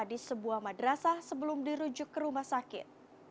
di sebuah madrasah sebelum dirujuk ke rumah sakit